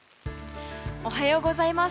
おはようございます。